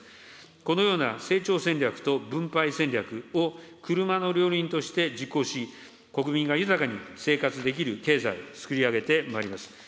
このような成長戦略と分配戦略を車の両輪として実行し、国民が豊かに生活できる経済、つくり上げてまいります。